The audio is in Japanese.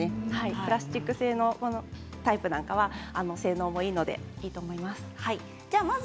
プラスチック製のタイプなんかは性能もいいのでいいと思います。